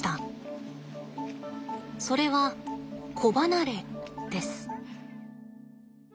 それは子離れです。